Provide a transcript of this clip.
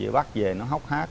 bắt về nó hóc hát